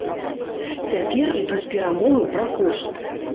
Цяпер ідуць перамовы пра кошт.